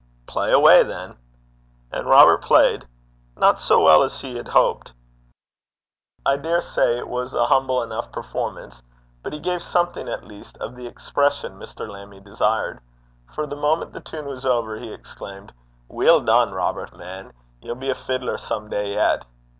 'Play awa' than.' And Robert played not so well as he had hoped. I dare say it was a humble enough performance, but he gave something at least of the expression Mr. Lammie desired. For, the moment the tune was over, he exclaimed, 'Weel dune, Robert man! ye'll be a fiddler some day yet!'